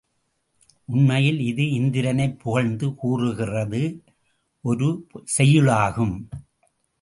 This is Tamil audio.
உண்மையில் இது இந்திரனைப் புகழ்ந்து கூறுகிறது ஒரு செய்யுளாகும்.